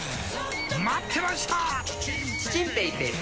待ってました！